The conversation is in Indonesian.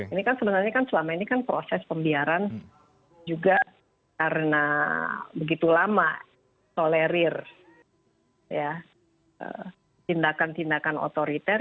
ini kan sebenarnya kan selama ini kan proses pembiaran juga karena begitu lama tolerir tindakan tindakan otoriter